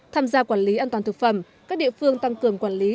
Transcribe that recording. tham gia quản lý an toàn thực phẩm các địa phương tăng cường quản lý